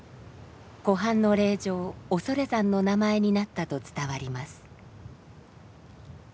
湖畔の霊場恐山の名前になったと伝わります。